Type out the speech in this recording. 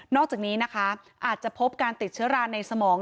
อกจากนี้นะคะอาจจะพบการติดเชื้อราในสมอง